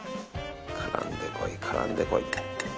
絡んでこい、絡んでこい。